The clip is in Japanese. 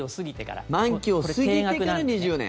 満期を過ぎてから２０年。